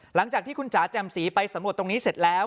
หลังจากที่คุณจ๋าแจ่มสีไปสำรวจตรงนี้เสร็จแล้ว